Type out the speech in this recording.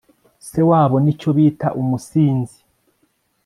se wabo nicyo bita umusinzi